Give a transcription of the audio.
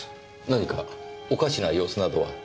何かおかしな様子などは？